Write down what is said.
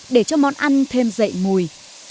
để cho món ăn thêm dậy mùi